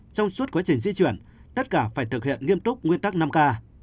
trong suốt quá trình di chuyển tất cả phải thực hiện nghiêm túc nguyên tắc năm k